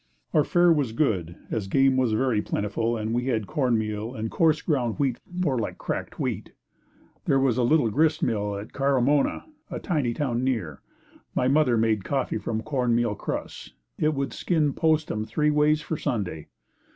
Our fare was good, as game was very plentiful and we had corn meal and a coarse ground wheat more like cracked wheat. There was a little grist mill at Carimona, a tiny town near. My mother made coffee from corn meal crusts. It would skin Postum three ways for Sunday.